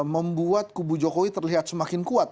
membuat kubu jokowi terlihat semakin kuat